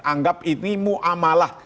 anggap ini muamalah